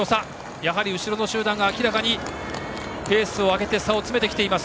やはり後ろの集団が明らかにペースを上げて差を詰めてきています。